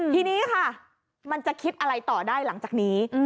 ทีนี้ค่ะมันจะคิดอะไรต่อได้หลังจากนี้